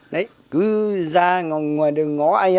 đấy cứ ra ngoài đó ngó